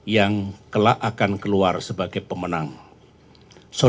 yang akan keluar sebagai pemenang